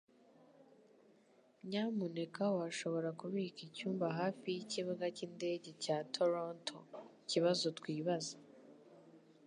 Nyamuneka washobora kubika icyumba hafi yikibuga cyindege cya Torontoikibazo twibaza